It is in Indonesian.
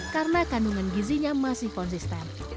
karena kandungan gizinya masih konsisten